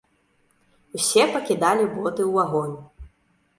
Усе пакідалі боты ў агонь.